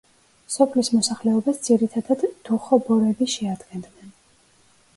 სოფლის მოსახლეობას ძირითადად დუხობორები შეადგენდნენ.